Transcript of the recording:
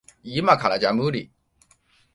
いまからじゃ無理。